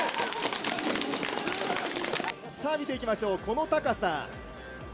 見ていきましょう、この高さ。